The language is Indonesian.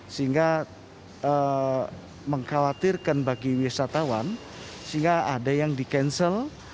sehingga mengkhawatirkan bagi wisatawan sehingga ada yang di cancel